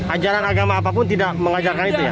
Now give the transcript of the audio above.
ajaran agama apapun tidak mengajarkan itu ya